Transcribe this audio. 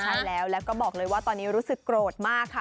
ใช่แล้วแล้วก็บอกเลยว่าตอนนี้รู้สึกโกรธมากค่ะ